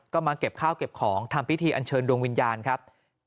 ก็มาเก็บข้าวเก็บของทำพิธีอันเชิญดวงวิญญาณครับ